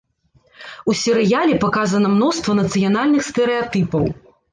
У серыяле паказана мноства нацыянальных стэрэатыпаў.